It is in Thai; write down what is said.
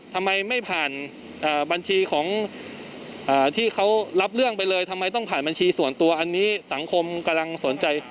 ทำไมไม่ผ่านบัญชีของที่เขารับเรื่องไปเลยทำไมต้องผ่านบัญชีส่วนตัวอันนี้สังคมกำลังสนใจ